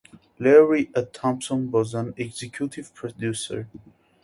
Larry A. Thompson was an executive producer.